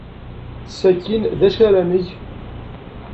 Sakkin d acu ara neg?